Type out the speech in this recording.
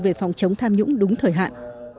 về phòng chống tham nhũng đúng thời hạn